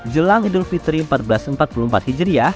jelang idul fitri seribu empat ratus empat puluh empat hijriah